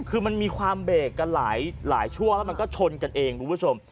คือมันมีความเบรกกันหลายชั่วแล้วมันก็ชนกันเองคุณผู้ชม